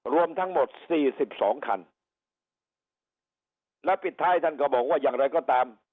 รวมทั้งหมดสี่สิบสองคันและปิดท้ายท่านก็บอกว่าอย่างไรก็ตาม